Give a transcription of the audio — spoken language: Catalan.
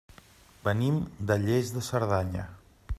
Venim de Lles de Cerdanya.